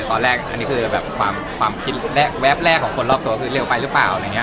ตอนแรกอันนี้คือแบบความคิดแวบแรกของคนรอบตัวคือเร็วไปหรือเปล่าอะไรอย่างนี้